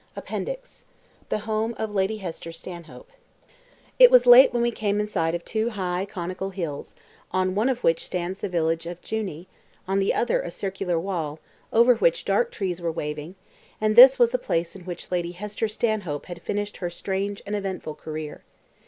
APPENDIX—THE HOME OF LADY HESTER STANHOPE It was late when we came in sight of two high conical hills, on one of which stands the village of Djouni, on the other a circular wall, over which dark trees were waving; and this was the place in which Lady Hester Stanhope had finished her strange and eventful career.